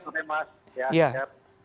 selamat sore mas